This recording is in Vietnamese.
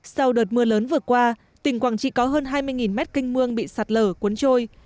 sau đợt mưa lớn vừa qua tỉnh quảng trị có hơn hai mươi mét canh mương bị sạt lở cuốn trôi